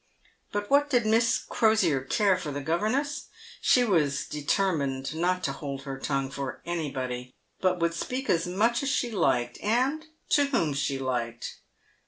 But what did Miss Crosier care for the governess ? She was determined not to hold her tongue for anybody, but would speak as much as she liked, and to whom she liked.